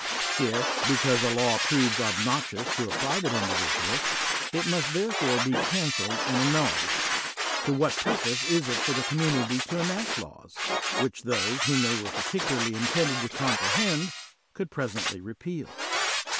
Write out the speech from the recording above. If, because a law proves obnoxious to a private individual, it must therefore be canceled and annulled, to what purpose is it for the community to enact laws, which those, whom they were particularly intended to com prehend, could presently repeal?